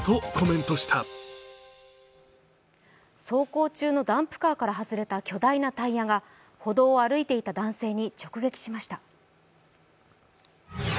走行中のダンプカーから外れた巨大なタイヤが歩道を歩いていた男性に直撃しました。